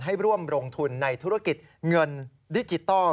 ให้ร่วมลงทุนในธุรกิจเงินดิจิทัล